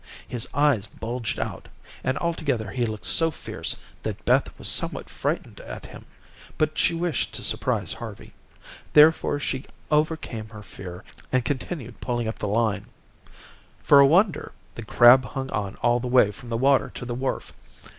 His eyes bulged out, and altogether he looked so fierce that Beth was somewhat frightened at him, but she wished to surprise Harvey. Therefore she overcame her fear, and continued pulling up the line. For a wonder, the crab hung on all the way from the water to the wharf.